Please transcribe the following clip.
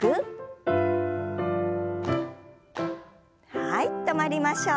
はい止まりましょう。